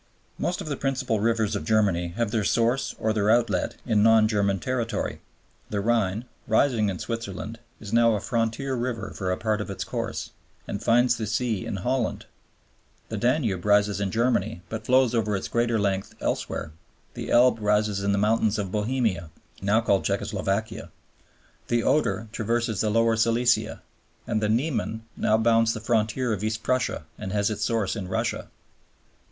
Most of the principal rivers of Germany have their source or their outlet in non German territory. The Rhine, rising in Switzerland, is now a frontier river for a part of its course, and finds the sea in Holland; the Danube rises in Germany but flows over its greater length elsewhere; the Elbe rises in the mountains of Bohemia, now called Czecho Slovakia; the Oder traverses Lower Silesia; and the Niemen now bounds the frontier of East Prussia and has its source in Russia.